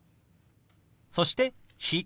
そして「日」。